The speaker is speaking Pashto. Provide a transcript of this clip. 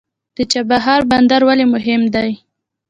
د چابهار بندر ولې مهم دی؟